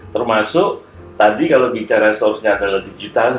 termasuk tadi kalau bicara soalnya adalah digital